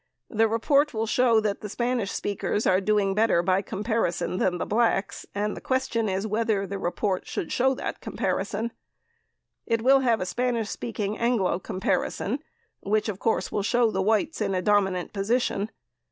The report will show that the SS are doing better by comparison than the Blacks and the question is whether the report should show the comparison. It will have a SS Anglo comparison which [of] course will show the Whites in a dominant position.